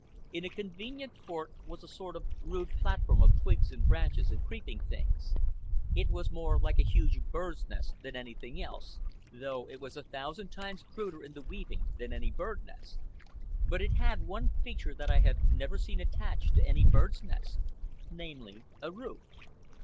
In a convenient fork was a sort of rude platform of twigs and branches and creeping things. It was more like a huge bird nest than anything else, though it was a thousand times cruder in the weaving than any bird nest. But it had one feature that I have never seen attached to any bird nest, namely, a roof.